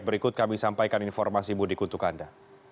berikut kami sampaikan informasi mudik untuk anda